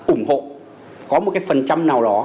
ủng hộ có một cái phần trăm nào đó